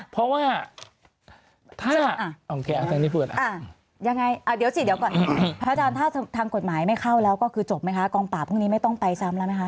เพราะว่าถ้าอ่ะโอเคอาจารย์นี้พูด